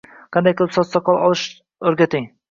Qanday qilib soch-soqol olish o'rgating.